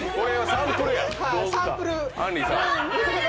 サンプル。